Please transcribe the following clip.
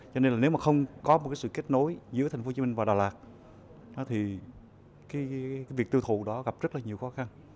cho nên là nếu mà không có một cái sự kết nối giữa tp hcm và đà lạt thì cái việc tiêu thụ đó gặp rất là nhiều khó khăn